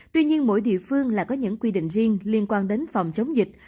tuy nhiên mỗi địa phương lại có những quy định riêng liên quan đến phòng chống dịch